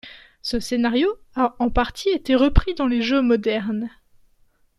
Ce scénario a en partie été repris dans les jeux modernes.